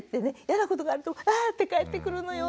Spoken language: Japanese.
嫌なことがあるとあって帰ってくるのよ。